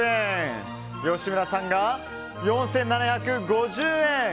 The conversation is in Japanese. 吉村さんが４７５０円。